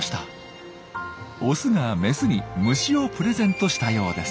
オスがメスに虫をプレゼントしたようです。